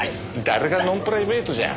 誰がノンプライベートじゃ。